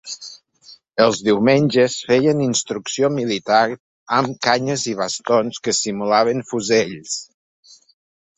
Els diumenges feien instrucció militar amb canyes i bastons que simulaven fusells.